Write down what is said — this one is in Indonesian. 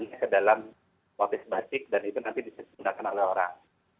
mencurahkan ke dalam wabik wabik dan itu nanti disesuaikan oleh orang